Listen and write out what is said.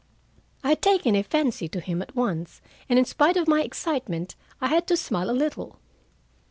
I had taken a fancy to him at once, and in spite of my excitement I had to smile a little.